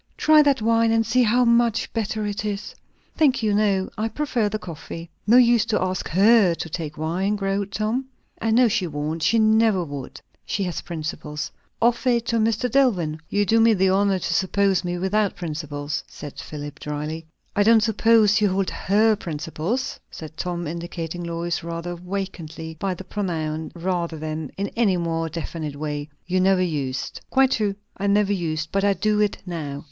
"Try that wine, and see how much better it is." "Thank you, no; I prefer the coffee." "No use to ask her to take wine," growled Tom. "I know she won't. She never would. She has principles. Offer it to Mr. Dillwyn." "You do me the honour to suppose me without principles," said Philip dryly. "I don't suppose you hold her principles," said Tom, indicating Lois rather awkwardly by the pronoun rather than in any more definite way. "You never used." "Quite true; I never used. But I do it now."